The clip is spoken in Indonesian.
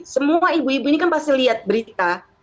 semua ibu ibu ini kan pasti lihat berita